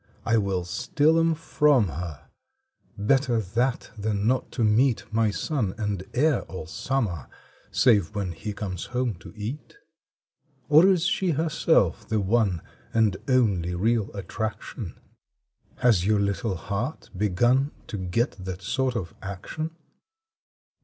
I will steal 'em from her; Better that than not to meet My son and heir all summer, Save when he comes home to eat. Or is she herself the one And only real attraction? Has your little heart begun To get that sort of action?